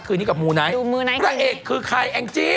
คือนี้กับมูนายกเวลาเอกซ์คือใครแอนคจี้